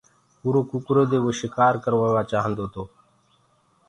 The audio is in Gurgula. اُرو ڪٚڪَرو دي وو شڪآر ڪروآوو چآهندو تو۔